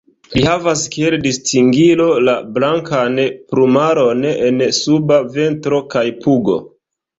Li havas kiel distingilo la blankan plumaron en suba ventro kaj pugo.